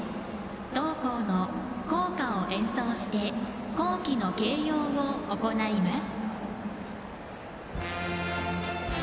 同校の校歌を演奏して校旗の掲揚を行います。